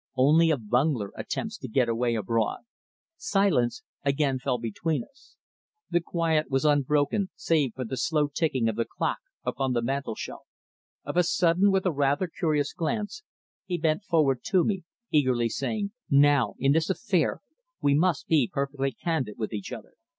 Only a bungler attempts to get away abroad." Silence again fell between us. The quiet was unbroken save for the slow ticking of the clock upon the mantelshelf. Of a sudden, with a rather curious glance, he bent forward to me, eagerly saying "Now in this affair we must be perfectly candid with each other.